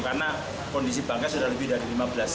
karena kondisi pangkal sudah lebih dari lima belas hari